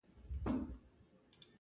شمېر به یې ډېر کم وو -